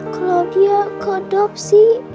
kalo dia keadopsi